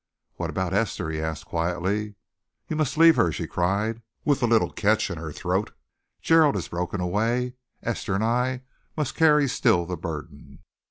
"What about Esther?" he asked quietly. "You must leave her," she cried, with a little catch in her throat. "Gerald has broken away. Esther and I must carry still the burden."